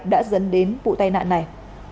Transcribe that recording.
đã dẫn đến vụ tai nạn này